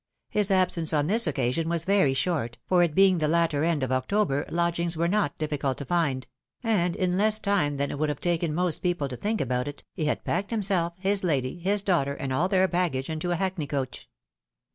His absence upon this occasion was very short, for it being the latter end of October, lodgings were not difficult to find ; and in less time than it would have taken most people to think about it, he had packed himself, his lady, his daughter, and all their baggage into a hackney coach.